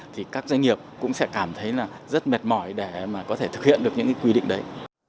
thì các doanh nghiệp cũng sẽ cảm thấy là rất mệt mỏi để mà có thể thực hiện được những quy định đấy